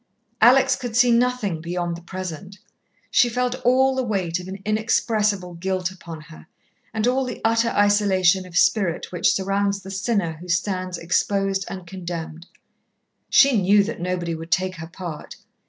Alex could see nothing beyond the present. She felt all the weight of an inexpressible guilt upon her, and all the utter isolation of spirit which surrounds the sinner who stands exposed and condemned. She knew that nobody would take her part.